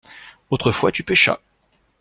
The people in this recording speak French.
Autrefois tu pêchas.